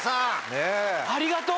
ありがとう！